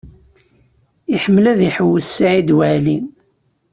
Iḥemmel ad iḥewwes Saɛid Waɛli.